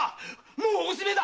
もうおしめえだ！